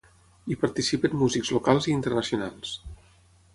Hi participen músics locals i internacionals.